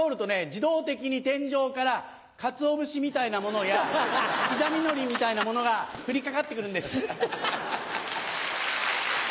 自動的に天井からかつお節みたいなものや刻みのりみたいなものがふりかかってくるんです。